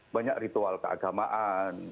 banyak ritual keagamaan